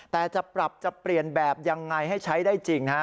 แต่จะปรับจะเปลี่ยนแบบยังไงให้ใช้ได้จริงฮะ